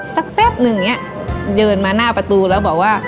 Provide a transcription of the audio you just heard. สักแป๊บหนึ่งเดินมาหน้าประตูแล้วบอกว่า